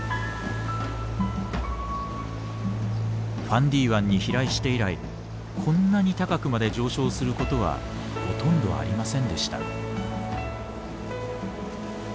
ファンディ湾に飛来して以来こんなに高くまで上昇することはほとんどありませんでした。